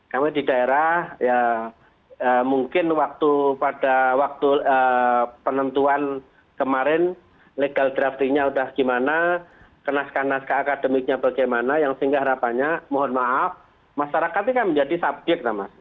kami di daerah ya mungkin pada waktu penentuan kemarin legal drafting nya sudah gimana kenas kenas keakademiknya bagaimana yang sehingga harapannya mohon maaf masyarakat ini kan menjadi subjek mas